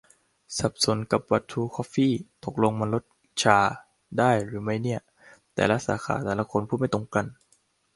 สับสนกับบัตรทรูคอฟฟี่ ตกลงมันลด ชา ได้หรือไม่ได้เนี่ย แต่ละสาขาแต่ละคนพูดไม่ตรงกัน